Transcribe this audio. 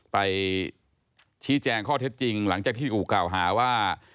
ไปชี้แจงข้อเท็จจริงหลังจากที่ถูกกล่าวหาว่า